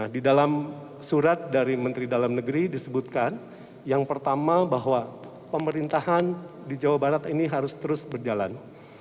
di dalam surat dari menteri dalam negeri disebutkan yang pertama bahwa pemerintahan di jawa barat ini harus terus berjalan